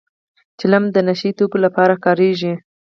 چلم د نشه يي توکو لپاره کارېږي